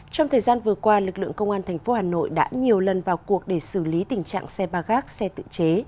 trong thời gian vừa qua lực lượng công an tp hà nội đã nhiều lần vào cuộc để xử lý tình trạng xe ba gác xe tự chế